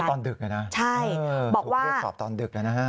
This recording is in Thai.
ให้ตอนดึกเนี่ยนะถูกเรียกศอบตอนดึกนะนะฮะค่ะ